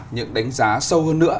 những đánh giá sâu hơn nữa